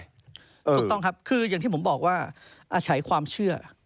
ถูกต้องครับคืออย่างที่ผมบอกว่าอาศัยความเชื่อ